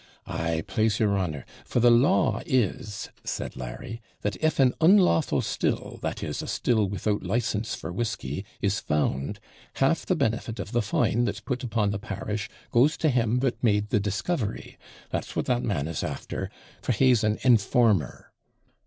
Ay, plase your honour; for the law is,' said Larry, 'that, if an unlawful still, that is, a still without license for whisky, is found, half the benefit of the fine that's put upon the parish goes to him that made the discovery; that's what that man is after, for he's an informer.'